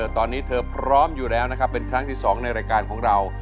ตอนนี้เธอพร้อมอยู่แล้วนะครับเป็นครั้งที่๒ในรายการของเรา